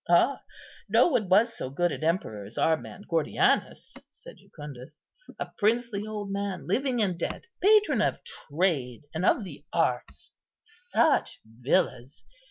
"Ah! no one was so good an emperor as our man, Gordianus," said Jucundus, "a princely old man, living and dead; patron of trade and of the arts; such villas!